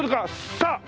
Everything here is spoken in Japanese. さあ！